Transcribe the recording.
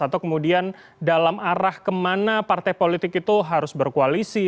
atau kemudian dalam arah kemana partai politik itu harus berkoalisi